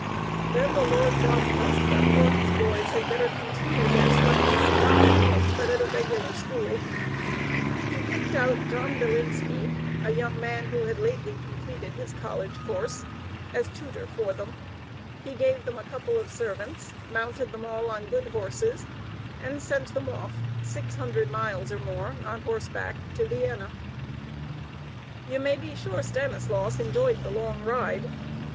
Then the Lord John Kostka thought his boys had better continue their studies, not at home, but at a regular school. He picked out John Bilinski, a young man who had lately completed his college course, as tutor for them. He gave them a couple of servants, mounted them all on good horses, and sent them off six hundred miles or more on horseback to Vienna. You may be sure Stanislaus enjoyed the long ride.